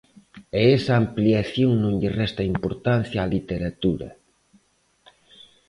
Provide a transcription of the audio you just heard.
E esa ampliación non lle resta importancia á literatura.